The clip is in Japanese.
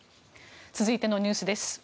続いてのニュースです。